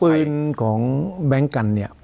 ปืนของแบงค์กันเนี่ย